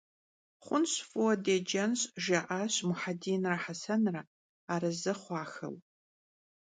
Xhunş, f'ıue dêcenş, - jja'aş Muhedinre Hesenre, arezı xhuaxeu.